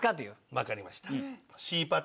わかりました。